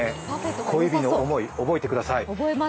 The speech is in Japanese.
小指のおもい、覚えてください。